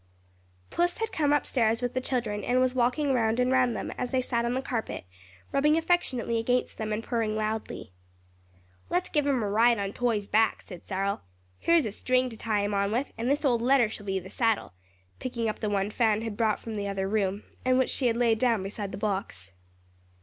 Puss had come up stairs with the children and was walking round and round them, as they sat on the carpet, rubbing affectionately against them and purring loudly. "Let's give 'em a ride on Toy's back," said Cyril. "Here's a string to tie 'em on with, and this old letter shall be the saddle," picking up the one Fan had brought from the other room, and which she had laid down beside the box.